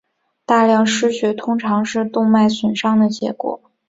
大量失血通常是动脉损伤的结果。